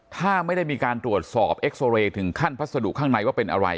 ถ้าไม่ได้มีการตรวจสอบเอ็กซอเรย์ถึงขั้นพัสดุข้างในว่าเป็นอะไร